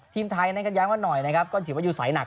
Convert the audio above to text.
ทีมไทยน่าจะย้ำมาหน่อยก็ถือว่าอยู่สายหนัก